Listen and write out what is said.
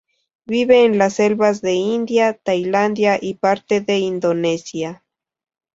Vive en las selvas de India, Tailandia y parte de Indonesia.